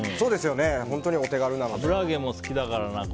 本当にお手軽なので。